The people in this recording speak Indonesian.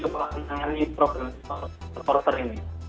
menangani problem supporter ini